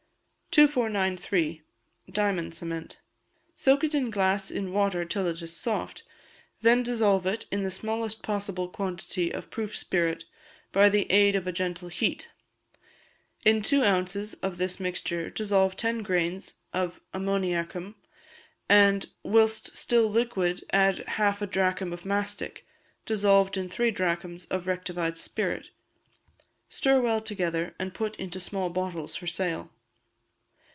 2493. Diamond Cement. Soak isinglass in water till it is soft; then dissolve it in the smallest possible quantity of proof spirit, by the aid of a gentle heat; in two ounces of this mixture dissolve ten grains of ammoniacum, and whilst still liquid add half a drachm of mastic, dissolved in three drachms of rectified spirit; stir well together, and put into small bottles for sale.